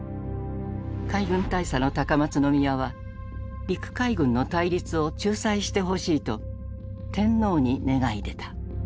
海軍大佐の高松宮は陸海軍の対立を仲裁してほしいと天皇に願い出た。